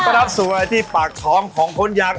สบายรับสั้นน้ำสวยที่ปากท้องของคนยางรวย